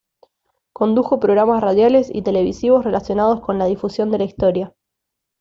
Condujo programas radiales y televisivos relacionados con la difusión de la historia.